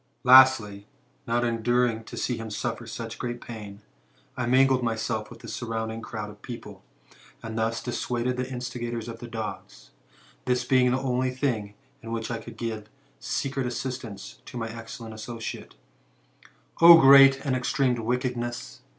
'* Lastly, not enduring to see him suffer such great pain, I mingled myself with the surrounding crowd of people, and thus dissuaded the instigators of the dogs, this being the only thing in which I could give secret assistance to my excellent associate : O great and extreme wickedness